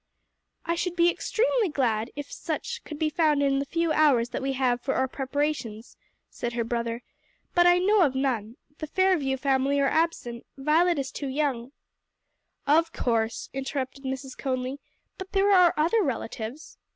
"I should be extremely glad if such could be found in the few hours that we have for our preparations," said her brother, "but I know of none; the Fairview family are absent, Violet is too young " "Of course," interrupted Mrs. Conly; "but there are other relatives.